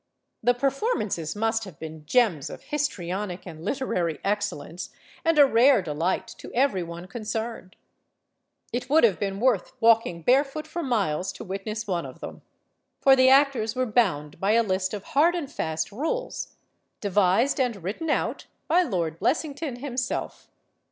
The performances must have been gems of histrionic and literary excellence, and a rare delight to every one concerned. It would have been worth walking bare foot for miles to witness one of them. For the actors were bound by a list of hard and fast rules devised and written out by Lord Blessington him self.